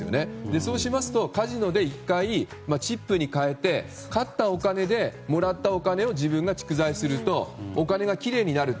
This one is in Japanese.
そうしますとカジノで１回、チップに替えて買ったお金でもらったお金を自分が蓄財するとお金がきれいになると。